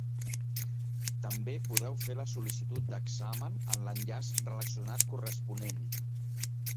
També podeu fer la sol·licitud d'examen en l'enllaç relacionat corresponent.